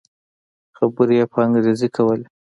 خبرې يې په انګريزي کولې.